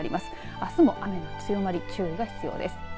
あすも雨の強まり注意が必要です。